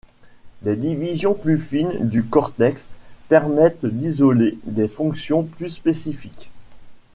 Des divisions plus fines du cortex permettent d'isoler des fonctions plus spécifiques.